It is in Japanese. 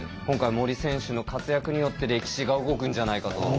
今回森選手の活躍によって歴史が動くんじゃないかと。